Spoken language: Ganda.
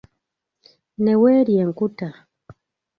Ne weerya enkuta.